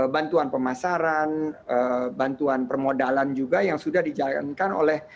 bantuan pemasaran bantuan permodalan juga yang sudah dijalankan oleh